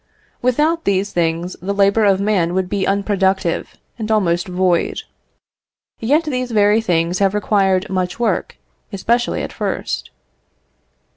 Without these things the labour of man would be unproductive and almost void; yet these very things have required much work, especially at first.